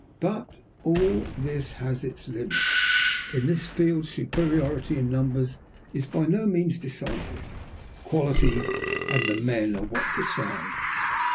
But all this has its limits ... in this field, superiority in numbers is by no means decisive. Quality and the men are what decide."